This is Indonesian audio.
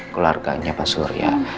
keluarganya pak surya